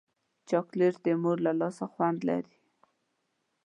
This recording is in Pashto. چاکلېټ د مور له لاسه خوند لري.